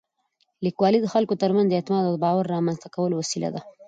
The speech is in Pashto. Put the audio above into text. لیکوالی د خلکو تر منځ د اعتماد او باور رامنځته کولو وسیله ده.